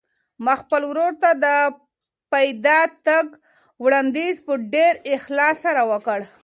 ما خپل ورور ته د پیاده تګ وړاندیز په ډېر اخلاص سره وکړ.